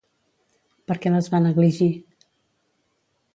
Per què les va negligir?